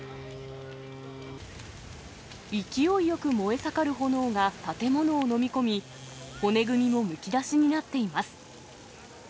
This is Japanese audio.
勢いよく燃え盛る炎が建物を飲み込み、骨組みもむき出しになっています。